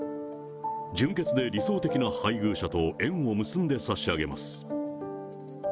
純潔で理想的な配偶者と縁を結んでさしあげます。